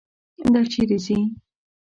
دا چیرې ځي.